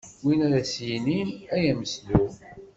Win ara s-yinin: Ay ameslub!